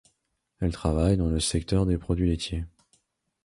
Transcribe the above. Elle travaille dans le secteur des produits laitiers.